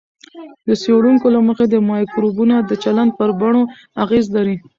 د څېړونکو له مخې، مایکروبونه د چلند پر بڼو اغېز لري.